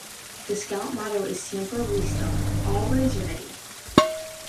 The Scout Motto is "Siempre listo", "Always ready".